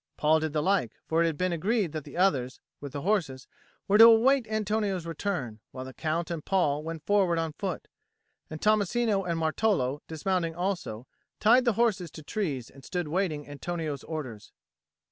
Paul did the like, for it had been agreed that the others, with the horses, were to await Antonio's return, while the Count and Paul went forward on foot: and Tommasino and Martolo, dismounting also, tied the horses to trees and stood waiting Antonio's orders.